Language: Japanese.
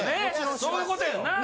そういうことやんな？